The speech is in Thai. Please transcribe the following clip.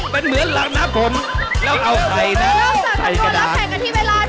เริ่มใส่คำว่าเราแข่งกันที่เวลาด้วย